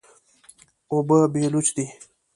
اوبه بېلوث دي.